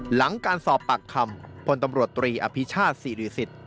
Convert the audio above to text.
หลังการสอบปากคำพลตำรวจตรีอภิชาติศิริสิทธิ์